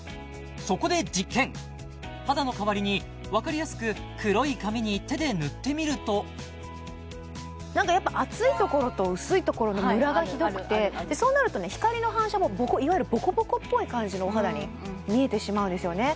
そこで実験肌の代わりにわかりやすく黒い紙に手で塗ってみると何かやっぱり厚いところと薄いところのムラがひどくてそうなるとね光の反射もいわゆるボコボコっぽい感じのお肌に見えてしまうんですよね